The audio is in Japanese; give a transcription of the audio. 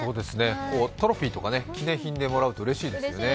トロフィーとか記念品でもらうとうれしいですね。